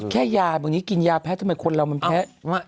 แค่ยาบางทีกินยาแพ้ทำไมคนเรามันแพ้